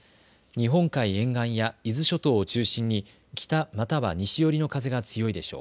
日本海沿岸や伊豆諸島を中心に北または西寄りの風が強いでしょう。